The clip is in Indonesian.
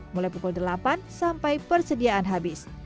mulai pukul delapan sampai persediaan habis